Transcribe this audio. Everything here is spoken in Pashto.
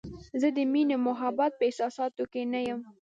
زه د مینې او محبت په احساساتو کې نه یم.